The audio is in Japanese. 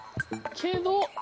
けど？